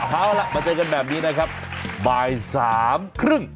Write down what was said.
เอาล่ะมาเจอกันแบบนี้นะครับบ่ายสามครึ่ง